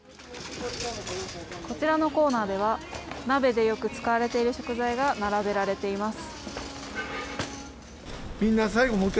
こちらのコーナーでは鍋でよく使われている食材が並べられています。